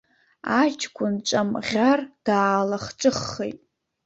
Аҷкәын ҿамӷьар даалахҿыххеит.